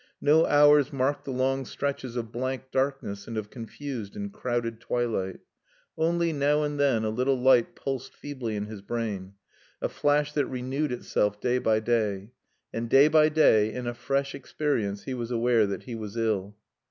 No hours marked the long stretches of blank darkness and of confused and crowded twilight. Only, now and then, a little light pulsed feebly in his brain, a flash that renewed itself day by day; and day by day, in a fresh experience, he was aware that he was ill.